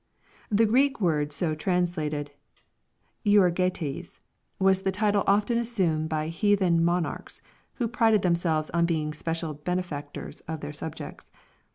] The Greek word so translated, (" euergetes,") was a title often assumed by heathen monarchs, who prided them selves on being special benefactors of their subjects.